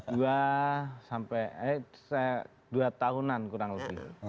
dua sampai eh dua tahunan kurang lebih